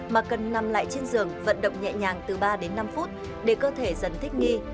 mà cần nằm lại trên giường vận động nhẹ nhàng từ ba đến năm phút để cơ thể dần thích nghi